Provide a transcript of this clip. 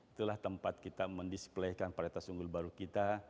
itulah tempat kita mendisplaykan paritas unggul baru kita